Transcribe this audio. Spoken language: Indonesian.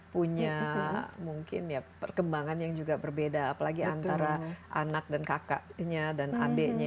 punya mungkin ya perkembangan yang juga berbeda apalagi antara anak dan kakaknya dan adiknya